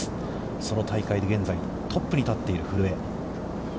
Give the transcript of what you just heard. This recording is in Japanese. その大会で、現在、トップに立っている古江。